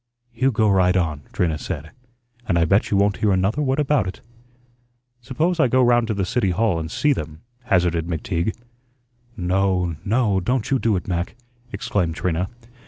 "You go right on," Trina said, "and I bet you won't hear another word about it." "Suppose I go round to the City Hall and see them," hazarded McTeague. "No, no, don't you do it, Mac," exclaimed Trina.